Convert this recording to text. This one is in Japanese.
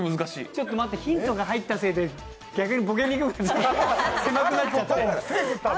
ちょっと待って、ヒントが入ったせいで逆にボケにくくなった、狭くなっちゃった。